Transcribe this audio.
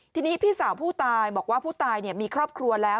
ทีนี้พี่สาวผู้ตายบอกว่าผู้ตายมีครอบครัวแล้ว